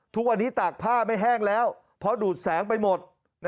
ทุกวันนี้ตากผ้าไม่แห้งแล้วเพราะดูดแสงไปหมด